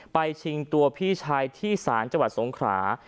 ชิงตัวพี่ชายที่ศาลจังหวัดสงขรา